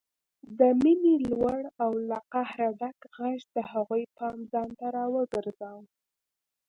د مينې لوړ او له قهره ډک غږ د هغوی پام ځانته راوګرځاوه